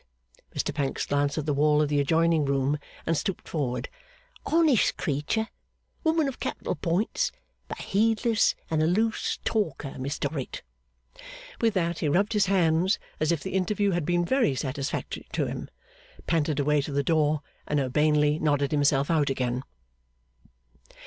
Mr Pancks glanced at the wall of the adjoining room, and stooped forward. 'Honest creature, woman of capital points, but heedless and a loose talker, Miss Dorrit.' With that he rubbed his hands as if the interview had been very satisfactory to him, panted away to the door, and urbanely nodded himself out again.